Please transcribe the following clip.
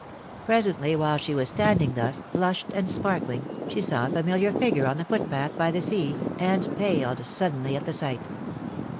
Presently, while she was standing thus, flushed and sparkling, she saw a familiar figure on the footpath by the sea, and paled suddenly at the sight.